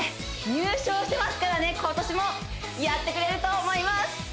入賞してますからね今年もやってくれると思います